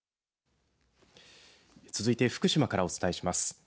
続いて、福島からお伝えします。